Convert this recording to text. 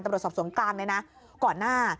ตำรวจสอบสวนกลางเลยนะก่อนหน้า